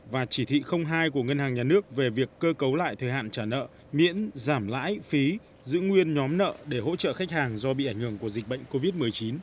và chỉ thị hai của ngân hàng nhà nước về việc cơ cấu lại thời hạn trả nợ miễn giảm lãi phí giữ nguyên nhóm nợ để hỗ trợ khách hàng do bị ảnh hưởng của dịch bệnh covid một mươi chín